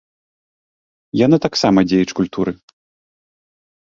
Яна таксама дзеяч культуры.